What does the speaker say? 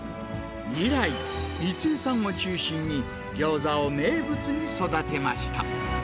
以来、光枝さんを中心に、ギョーザを名物に育てました。